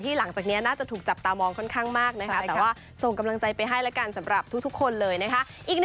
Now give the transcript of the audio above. หลังจากนี้น่าจะถูกจับตามองค่อนข้างมากนะคะแต่ว่าส่งกำลังใจไปให้แล้วกันสำหรับทุกคนเลยนะคะ